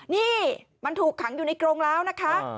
นี่มันถูกขังอยู่ในกรงแล้วนะคะ